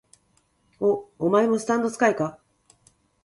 お、お前もスタンド使いか？